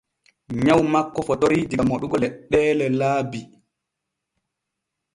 Nyaw makko fotorii diga moɗugo leɗɗeelee laabi.